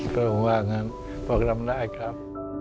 พระองค์ว่างั้นบอกรำได้ครับ